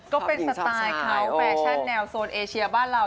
ก็เป็นสไตล์เขาแฟชั่นแนวโซนเอเชียบ้านเรา